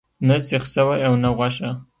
نه سیخ سوی او نه غوښه.